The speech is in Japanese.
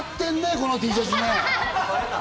このＴシャツ。